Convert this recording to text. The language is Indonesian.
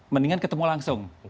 mendingan ketemu langsung